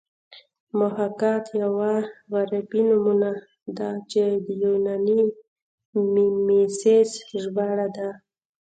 محاکات یوه عربي نومونه ده چې د یوناني میمیسیس ژباړه ده